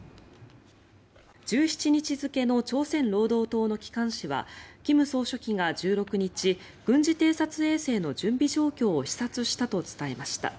１７日付の朝鮮労働党の機関紙は金総書記が１６日軍事偵察衛星の準備状況を視察したと伝えました。